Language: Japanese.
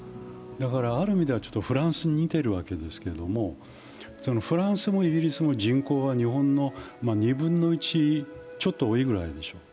ある意味ではフランスに似ているわけですけれども、フランスもイギリスも人口は日本の２分の１ちょっと多いぐらい。